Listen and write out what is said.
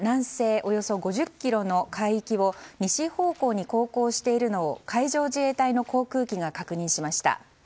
およそ５０ｋｍの海域を西方向に航行しているのを海上自衛隊の航空機が確認しました。